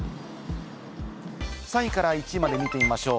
３位から１位まで見てみましょう。